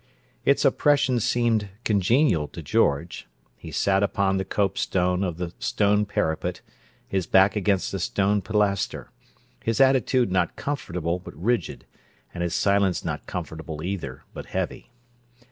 Its oppression seemed congenial to George; he sat upon the copestone of the stone parapet, his back against a stone pilaster; his attitude not comfortable, but rigid, and his silence not comfortable, either, but heavy.